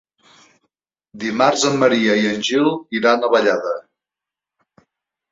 Dimarts en Maria i en Gil iran a Vallada.